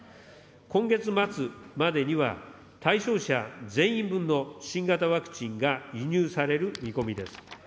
今月末までには、対象者全員分の新型ワクチンが輸入される見込みです。